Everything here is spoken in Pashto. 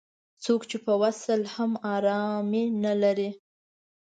څوک چې په وصل کې هم ارامي نه لري.